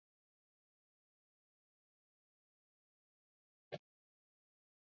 urithi wao walibaguliwa Majaribio yote ya kupigania uhuru